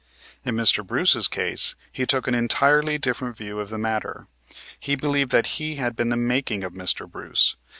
In Mr. Bruce's case he took an entirely different view of the matter. He believed that he had been the making of Mr. Bruce.